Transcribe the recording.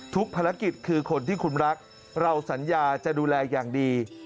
ภารกิจคือคนที่คุณรักเราสัญญาจะดูแลอย่างดี